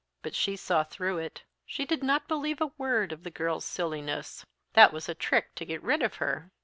But she saw through it. She did not believe a word of the girl's silliness; that was a trick to get rid of her.